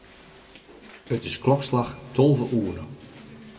It is klokslach tolve oere.